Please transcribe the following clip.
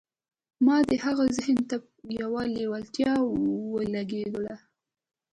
ما د هغه ذهن ته يوه لېوالتیا ولېږدوله.